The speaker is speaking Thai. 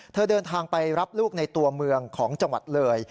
เดินทางไปรับลูกในตัวเมืองของจังหวัดเลย